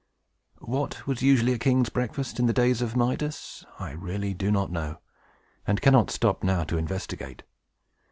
What was usually a king's breakfast in the days of Midas, I really do not know, and cannot stop now to investigate.